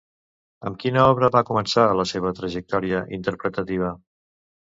Amb quina obra va començar la seva trajectòria interpretativa?